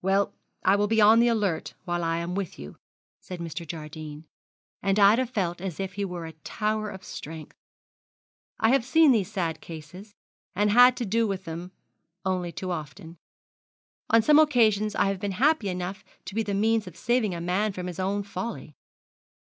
'Well, I will be on the alert while I am with you,' said Mr. Jardine; and Ida felt as if he were a tower of strength. 'I have seen these sad cases, and had to do with them, only too often. On some occasions I have been happy enough to be the means of saving a man from his own folly.'